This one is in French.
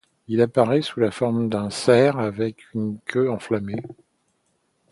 Il apparaît sous la forme d'un cerf avec une queue enflammée.